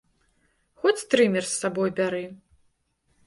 Хоць трымер з сабой бяры!